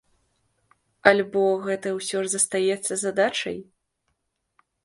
Альбо гэта ўсё ж застаецца задачай?